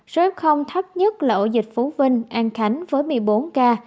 số thấp nhất là ổ dịch phú vinh an khánh với một mươi bốn ca